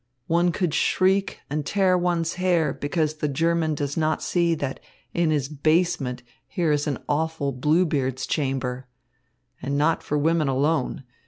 One could shriek and tear one's hair because the German does not see that in his basement there is an awful Bluebeard's chamber. And not for women alone.